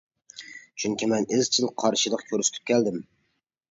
چۈنكى مەن ئىزچىل قارشىلىق كۆرسىتىپ كەلدىم.